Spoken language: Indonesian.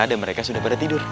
dan mereka sudah pada tidur